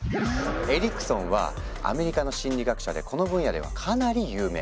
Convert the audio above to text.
エリクソンはアメリカの心理学者でこの分野ではかなり有名。